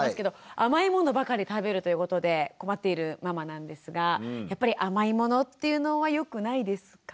甘いものばかり食べるということで困っているママなんですがやっぱり甘いものっていうのはよくないですか？